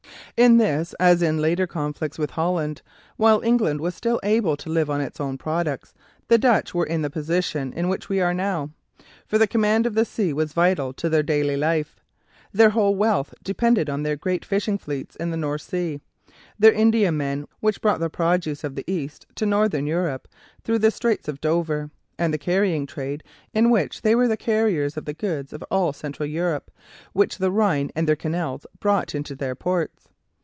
In this, as in the later conflicts with Holland, while England was still able to live on its own products, the Dutch were in the position in which we are now, for the command of the sea was vital to their daily life. Their whole wealth depended on their great fishing fleets in the North Sea; their Indiamen which brought the produce of the East to Northern Europe through the Straits of Dover; and the carrying trade, in which they were the carriers of the goods of all Central Europe, which the Rhine and their canals brought into their ports.